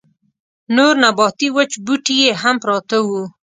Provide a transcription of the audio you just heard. نور نباتي وچ بوټي يې هم پراته وو.